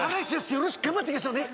よろしく頑張っていきましょうね！